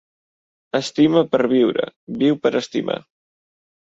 Estima per a viure, viu per a estimar.